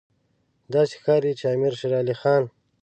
داسې ښکاري چې امیر شېر علي خان.